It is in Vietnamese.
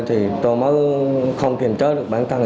thì tôi mới không kiềm trớ được bản thân